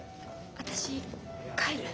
私帰る。